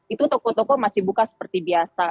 itu toko toko masih buka seperti biasa